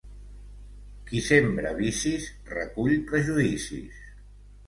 Qui sembra vicis, recull prejudicis.